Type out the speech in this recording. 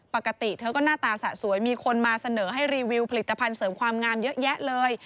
ปกติเธอก็หน้าตาสะสวยมีคนมาเสนอให้รีวิวผลิตภัณฑ์เสริมความงามเยอะแยะเลย